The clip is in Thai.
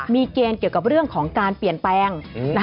มีเกณฑ์เกี่ยวกับเรื่องของการเปลี่ยนแปลง